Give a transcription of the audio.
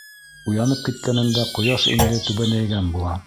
Уянып киткәнендә ҡояш инде түбәнәйгән була.